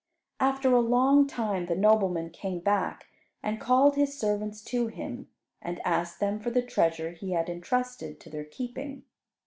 After a long time the nobleman came back and called his servants to him, and asked them for the treasure he had entrusted to their keeping.